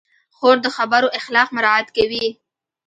خور د خبرو اخلاق مراعت کوي.